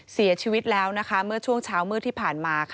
เสียชีวิตแล้วเมื่อช่วงเช้ามืดที่ผ่านมา